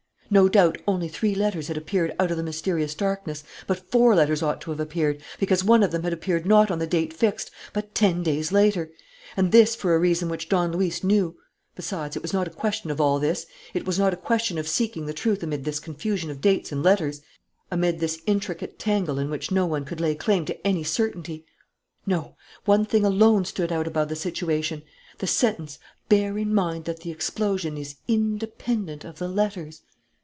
No doubt only three letters had appeared out of the mysterious darkness, but four letters ought to have appeared, because one of them had appeared not on the date fixed, but ten days later; and this for a reason which Don Luis knew. Besides, it was not a question of all this. It was not a question of seeking the truth amid this confusion of dates and letters, amid this intricate tangle in which no one could lay claim to any certainty, No; one thing alone stood out above the situation: the sentence, "Bear in mind that the explosion is independent of the letters."